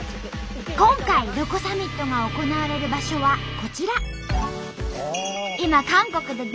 今回ロコサミットが行われる場所はこちら。